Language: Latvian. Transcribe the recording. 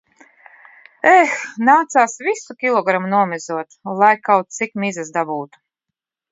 Eh... Nācās visu kilogramu nomizot, lai kaut cik mizas dabūtu.